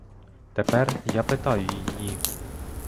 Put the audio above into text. Тепер я питаю її.